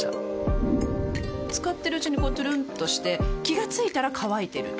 使ってるうちにこうトゥルンとして気が付いたら乾いてる